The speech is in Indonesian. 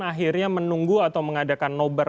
akhirnya menunggu atau mengadakan nobar